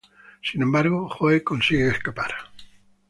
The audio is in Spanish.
Sin embargo, Joe consigue escapar.